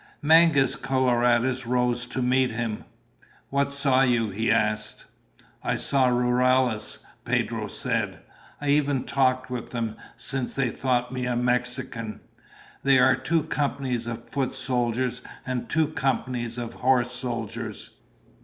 Mangus Coloradus rose to meet him. "What saw you?" he asked. "I saw rurales," Pedro said. "I even talked with them, since they thought me a Mexican. There are two companies of foot soldiers and two companies of horse soldiers.